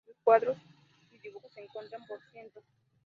Sus cuadros y dibujos se cuentan por cientos.